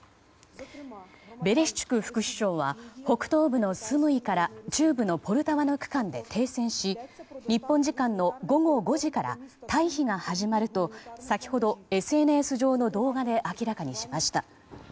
ベレシュチュク副首相は北東部のスムイから中部のポルタワの区間で停戦し日本時間の午後５時から退避が始まると先ほど、ＳＮＳ上の動画で明らかにしました。